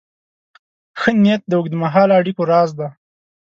ښه نیت د اوږدمهاله اړیکو راز دی.